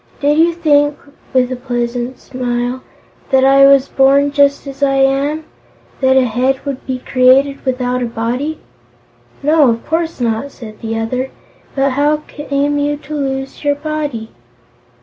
Did you think," with a pleasant smile, "that I was born just as I am? That a Head would be created without a Body?" "No, of course not," said the other. "But how came you to lose your body?"